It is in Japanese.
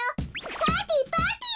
パーティーパーティー！